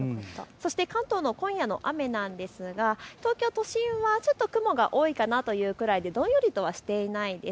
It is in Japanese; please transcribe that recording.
関東の今夜の雨なんですが東京都心はちょっと雲が多いかなというくらいでどんよりとはしていないです。